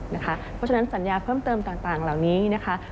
เพราะฉะนั้นสัญญาเพิ่มเติมต่างเหล่านี้นะคะ